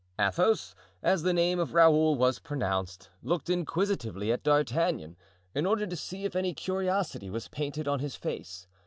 Athos, as the name of Raoul was pronounced, looked inquisitively at D'Artagnan, in order to see if any curiosity was painted on his face.